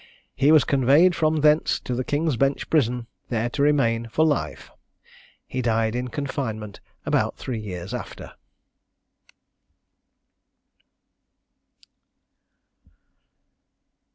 He was conveyed from thence to the King's Bench Prison, there to remain for life. He died in confinement about three years after."